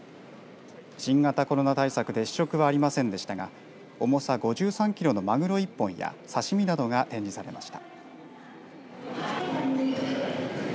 新型コロナ対策で試食はありませんでしたが重さ５３キロのマグロ１本や刺し身などが展示されました。